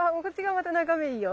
また眺めいいよ。